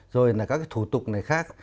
rồi là các thủ tục này khác